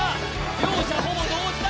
両者、ほぼ同時だ。